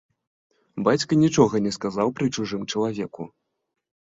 Бацька нічога не сказаў пры чужым чалавеку.